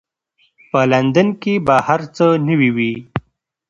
په لندن کې به هر څه نوي وي.